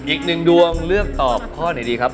อีกหนึ่งดวงเลือกตอบข้อไหนดีครับ